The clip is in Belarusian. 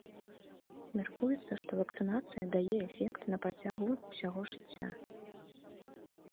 Мяркуецца, што вакцынацыя дае эфект на працягу ўсяго жыцця.